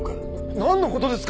なんのことですか！